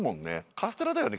カステラだよね。